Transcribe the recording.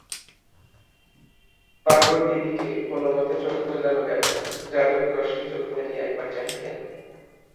পাগলদিদিকে কোনোমতে চোখ মেলানো গেল না, যাদব কষ্টে চোখ মেলিয়া একবার চাহিলেন।